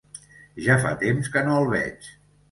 Ja fa temps que no el veig.